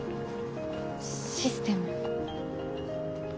システム。